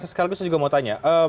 sekali lagi saya juga mau tanya